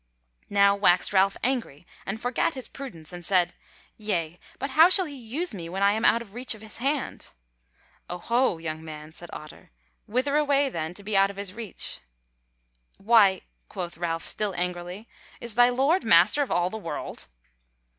Now waxed Ralph angry and forgat his prudence, and said: "Yea, but how shall he use me when I am out of reach of his hand?" "Oho, young man," said Otter, "whither away then, to be out of his reach?" "Why," quoth Ralph still angrily, "is thy Lord master of all the world?"